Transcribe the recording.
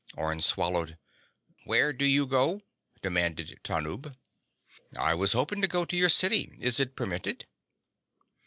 Orne swallowed. "Where do you go?" demanded Tanub. "I was hoping to go to your city. Is it permitted?"